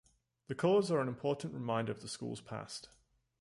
The colors are an important reminder of the school's past.